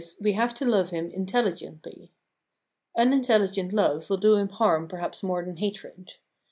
we have to love him intelligently. Unintelligent love will do him harm perhaps more than hatred.